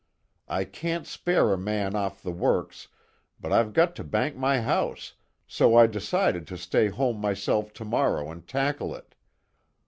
I can't spare a man off the works, but I've got to bank my house, so I decided to stay home myself tomorrow and tackle it.